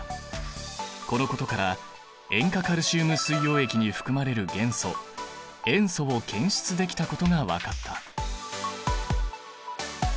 このことから塩化カルシウム水溶液に含まれる元素塩素を検出できたことが分かった。